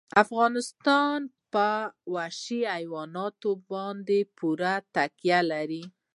افغانستان په وحشي حیواناتو باندې پوره تکیه لري.